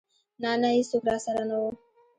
نه نه ايڅوک راسره نه و.